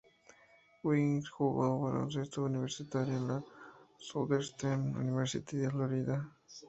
Wiggins, jugó baloncesto universitario en la Southeastern University de Florida.